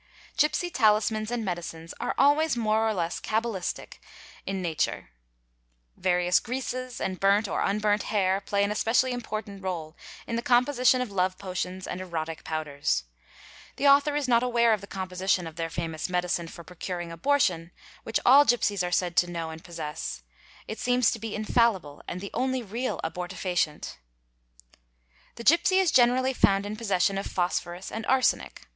Gipsy talismans and medicines are always more or less cabalistic in '» a 372 WANDERING TRIBES nature. Various greases and burnt or unburnt hair play an especially — important réle in the composition of love potions and erotic powders. — The author is not aware of the composition of their famous medicine for procuring abortion, which all gipsies are said to know and possess; it seems to be infallible and the only real abortifacient. | The gipsy is generally found in possession of phosphorus and arsenic.